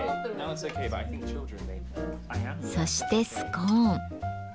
そしてスコーン。